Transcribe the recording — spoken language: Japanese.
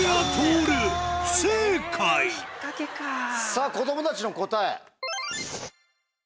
さぁ子供たちの答え。